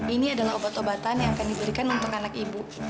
ini adalah obat obatan yang akan diberikan untuk anak ibu